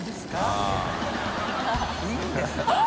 いいんですか？